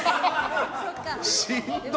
しんどい。